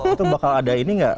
itu bakal ada ini nggak